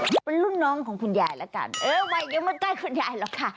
เป็นลูกน้องของคุณยายแล้วกันเออไว้เดี๋ยวมันใกล้คุณยายแล้วค่ะ